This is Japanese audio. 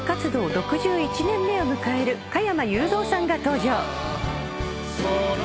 ６１年目を迎える加山雄三さんが登場。